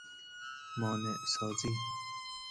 مانع سازی